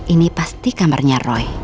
ini pasti kamarnya roy